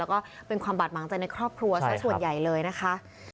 แล้วก็เป็นความบาดหมางใจในครอบครัวสักส่วนใหญ่เลยนะคะ